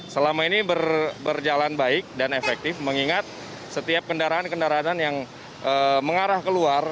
selama ini berjalan baik dan efektif mengingat setiap kendaraan kendaraan yang mengarah keluar